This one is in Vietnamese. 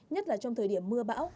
nhất là trong thời điểm mưa bão